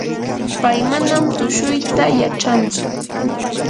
pay manam tushuyta yachantsu.